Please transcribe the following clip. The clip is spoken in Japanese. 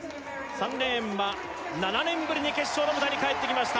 ３レーンは７年ぶりに決勝の舞台に帰ってきました